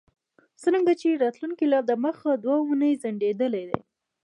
څرنګه چې راتلونکی لا دمخه دوه اونۍ ځنډیدلی دی